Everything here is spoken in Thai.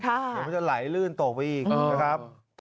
เดี๋ยวมันจะไหลลื่นตกไปอีกนะครับ